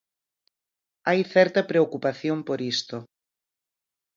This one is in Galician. Hai certa preocupación por isto.